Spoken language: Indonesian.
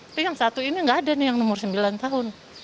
tapi yang satu ini nggak ada nih yang umur sembilan tahun